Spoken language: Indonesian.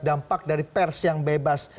dampak dari pers yang bebas